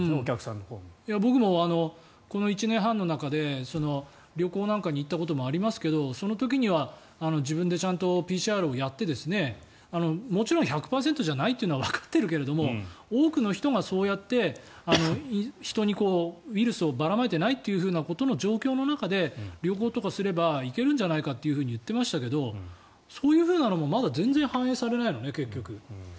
僕もこの１年半の中で旅行なんかに行ったこともありますけどその時には自分でちゃんとＰＣＲをやってもちろん、１００％じゃないというのはわかっているけれども多くの人がそうやって人にウイルスをばらまいていないということの状況の中で旅行とかすれば行けるんじゃないかと言ってましたけどそういうふうなのも、まだ全然反映されないのね、結局。